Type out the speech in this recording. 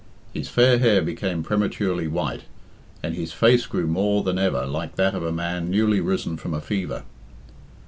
His fair hair became prematurely white, and his face grew more than ever like that of a man newly risen from a fever.